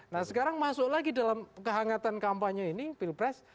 nah sekarang masuk lagi dalam kehangatan kampanye ini pilpres